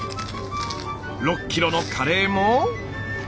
６キロのカレーも。